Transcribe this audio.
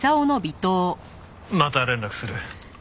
また連絡する。